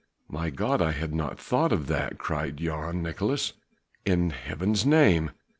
"My God, I had not thought of that," he cried, "Jan! Nicolaes! in Heaven's name!